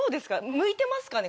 向いてますかね？